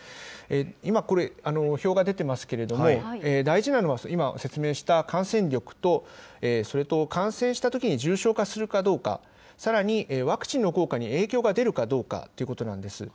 今、これ、表が出てますけれども、大事なのは、今説明した感染力と、それと感染したときに重症化するかどうか、さらに、ワクチンの効果に影響が出るかどうかということなんです。